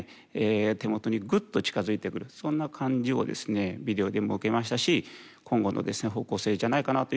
手元にぐっと近づいてくるそんな感じをビデオでも受けましたし今後の方向性じゃないかなというふうに思ってます。